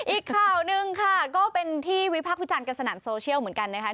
อีกข่าวหนึ่งค่ะก็เป็นที่วิพักษ์วิจารณ์กันสนั่นโซเชียลเหมือนกันนะคะ